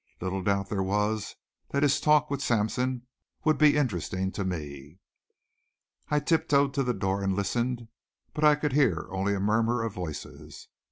Little doubt there was that his talk with Sampson would be interesting to me. I tiptoed to the door and listened, but I could hear only a murmur of voices.